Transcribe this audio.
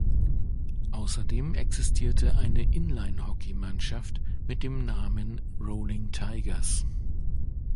Außerdem existierte eine Inlinehockey-Mannschaft mit dem Namen "Rolling Tigers".